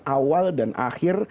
awal dan akhir